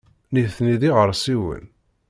Nitni d iɣersiwen.